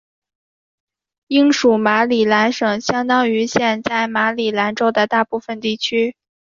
英属马里兰省相当于现在马里兰州的大部分地区。